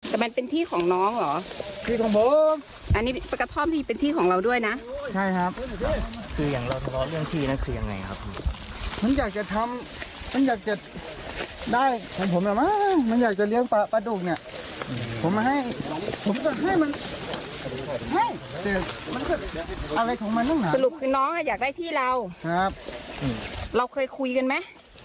สรุปคือน้องอะอยากได้ที่เราเราเคยคุยกันมั้ย